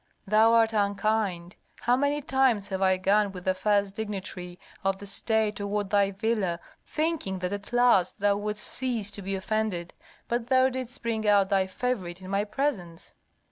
Thou art unkind. How many times have I gone with the first dignitary of the state toward thy villa, thinking that at last thou wouldst cease to be offended, but thou didst bring out thy favorite in my presence."